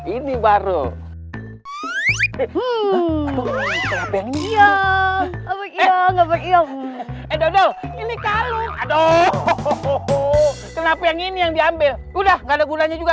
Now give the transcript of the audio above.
ini baru baru ini yang diambil udah nggak ada gunanya juga